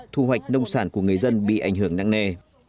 thu hoạch nông sản của người dân bị ảnh hưởng nắng nề